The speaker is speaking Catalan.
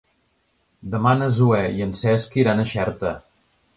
Demà na Zoè i en Cesc iran a Xerta.